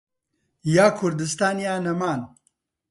یان کوردستان یان نەمان.